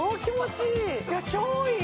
超いい！